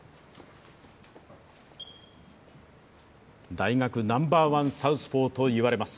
大学ナンバーワンサウスポーといわれます